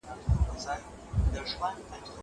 کتابتوني کار د مور له خوا کيږي.